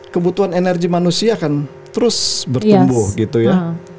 kebutuhan energi manusia akan terus bertumbuh gitu ya